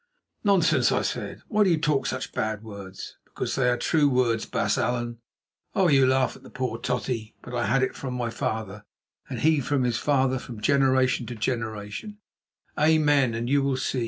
"Nonsense!" I said. "Why do you talk such bad words?" "Because they are true words, Baas Allan. Oh, you laugh at the poor Totty; but I had it from my father, and he from his father from generation to generation, amen, and you will see.